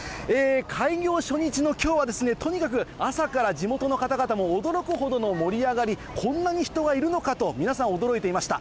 開業初日のきょうはですね、とにかく朝から地元の方々も驚くほどの盛り上がり、こんなに人がいるのかと、皆さん驚いていました。